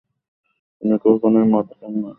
আপনি কখনোই মদ খান না।